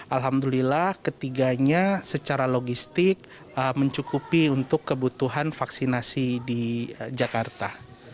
alhamdulillah ketiganya secara logistik mencukupi untuk kebutuhan vaksinasi di jakarta